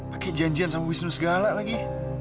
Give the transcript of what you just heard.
pakai janjian sama wisnu segala lagi